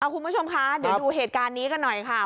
คุณผู้ชมคะเดี๋ยวดูเหตุการณ์นี้กันหน่อยค่ะ